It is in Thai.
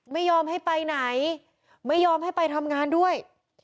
ไม่ยอมให้ไปไหนไม่ยอมให้ไปทำงานด้วย